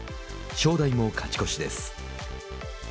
正代も勝ち越しです。